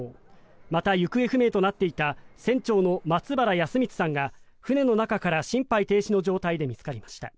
また、行方不明となっていた船長の松原保光さんが船の中から心肺停止の状態で見つかりました。